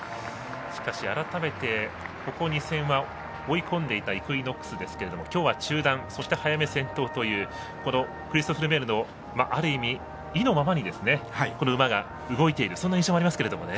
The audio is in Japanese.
改めて、ここ２戦は追い込んでいたイクイノックスですけども今日は中団そして速め先頭というクリストフ・ルメールのある意味、意のままにこの馬が動いているそんな印象ありますけどね。